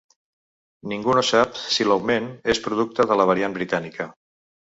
Ningú no sap si l’augment és producte de la variant britànica.